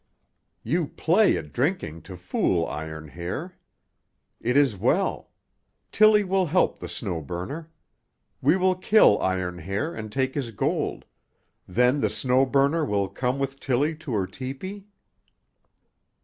You play at drinking to fool Iron Hair. It is well. Tillie will help the Snow Burner. We will kill Iron Hair and take his gold. Then the Snow Burner will come with Tillie to her tepee?"